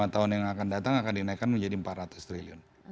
lima tahun yang akan datang akan dinaikkan menjadi empat ratus triliun